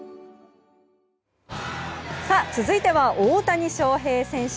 さあ、続いては大谷翔平選手。